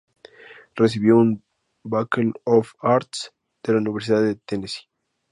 Recibió un "Bachelor of Arts" de la Universidad de Tennessee.